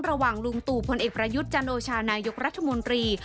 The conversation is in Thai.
ลุงตู่พลเอกประยุทธ์จันโอชานายกรัฐมนตรี